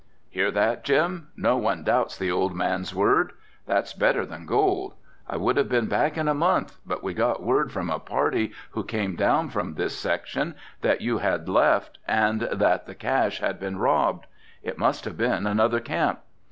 "Hear that Jim, no one doubts the old man's word. That's better than gold. I would have been back in a month, but we got word from a party who came down from this section that you had left and that the cache had been robbed. It must have been another camp.